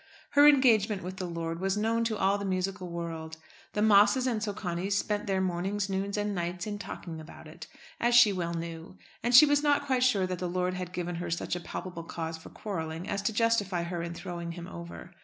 Her engagement with the lord was known to all the musical world. The Mosses and Socanis spent their mornings, noons, and nights in talking about it, as she well knew. And she was not quite sure that the lord had given her such a palpable cause for quarrelling as to justify her in throwing him over.